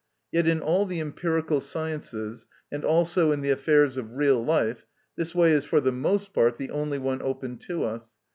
Yet in all the empirical sciences, and also in the affairs of real life, this way is for the most part the only one open to us.